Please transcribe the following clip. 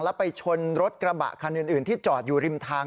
แล้วไปชนรถกระบะคันอื่นที่จอดอยู่ริมทาง